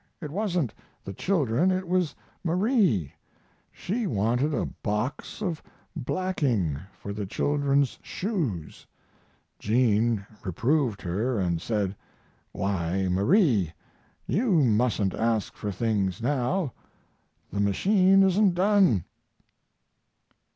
It wasn't the children, it was Marie. She wanted a box of blacking for the children's shoes. Jean reproved her and said, "Why, Marie, you mustn't ask for things now. The machine isn't done."